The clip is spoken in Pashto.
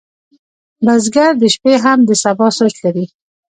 بزګر د شپې هم د سبا سوچ لري